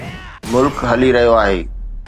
ملڪ هلي رهيو آهي.